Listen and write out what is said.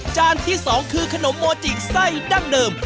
ที่๒คือขนมโมจิไส้ดั้งเดิม